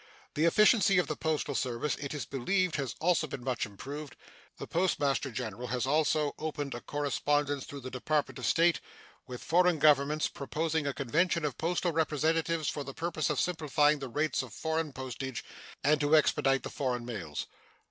The efficiency of the postal service, it is believed, has also been much improved. The Postmaster General has also opened a correspondence through the Department of State with foreign governments proposing a convention of postal representatives for the purpose of simplifying the rates of foreign postage and to expedite the foreign mails.